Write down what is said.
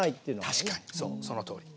確かにそうそのとおり。